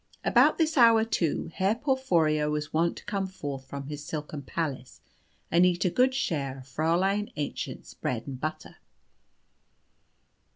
About this hour, too, Herr Porphyrio was wont to come forth from his silken palace, and eat a good share of Fräulein Aennchen's bread and butter.